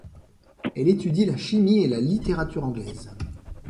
Elle étudie la chimie et la littérature anglaise.